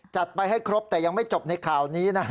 จัดไปให้ครบแต่ยังไม่จบในข่าวนี้นะ